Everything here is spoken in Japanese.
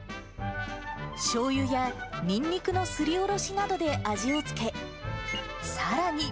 しょうゆやニンニクのすりおろしなどで味をつけ、さらに。